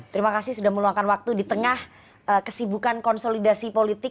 terima kasih sudah meluangkan waktu di tengah kesibukan konsolidasi politik